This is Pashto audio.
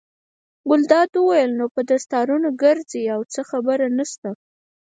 ګلداد وویل: نو په دستارونو ګرځئ او څه خبره نشته.